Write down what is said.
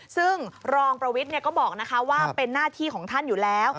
ซึ่งรองประวิทย์ก็บอกว่าเป็นหน้าที่ของท่านอยู่แล้ว